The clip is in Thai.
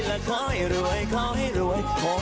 และขอให้รวยขอให้รวยขอให้รวยขอให้รวย